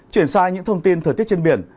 chuyển sang những thông tin thời tiết trên biển